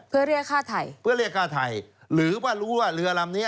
เพื่อเรียกฆ่าไถ่เพื่อเรียกฆ่าไถ่หรือว่ารู้ว่าเรืออะไรแบบเนี้ย